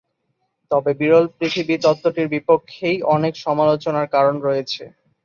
তবে বিরল পৃথিবী তত্ত্বটির বিপক্ষেই অনেক সমালোচনার কারণ রয়েছে।